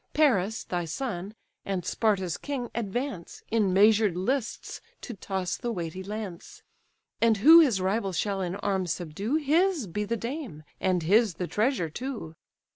Paris, thy son, and Sparta's king advance, In measured lists to toss the weighty lance; And who his rival shall in arms subdue, His be the dame, and his the treasure too.